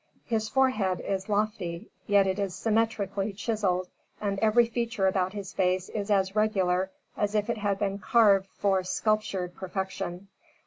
His forehead is lofty, yet it is symmetrically chiselled, and every feature about his face is as regular as if it had been carved for sculptured perfection.